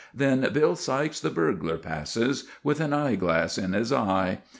Then "Bill Sykes," the burglar, passes, with an eye glass in his eye.